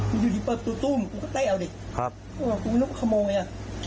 พี่อยู่ที่เปิดตัวตู้มกูก็แตะเอาดิครับก็บอกกูนึกว่าขโมยอ่ะ